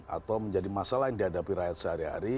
atau menjadi masalah yang dihadapi rakyat sehari hari